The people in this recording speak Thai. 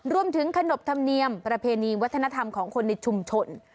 ขนบธรรมเนียมประเพณีวัฒนธรรมของคนในชุมชน